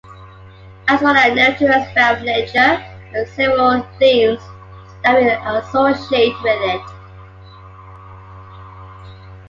As for the narrative aspect of nature, there are several themes that we associate with it.